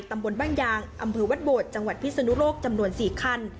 ตำบลบ้านยางอำเภอวัดโบดจังหวัดพิศนุโลกจำนวน๔คัน